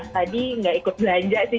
tadi nggak ikut belanja sih